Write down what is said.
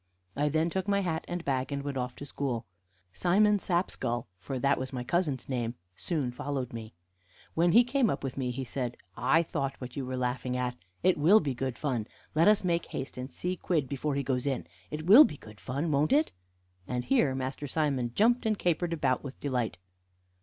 I then took my hat and bag, and went off to school. Simon Sapskull for that was my cousin's name soon followed me. When he came up with me he said: "I thought what you were laughing at. It will be good fun. Let us make haste and see Quidd before he goes in. It will be good fun, won't it?" And here Master Simon jumped and capered about with delight.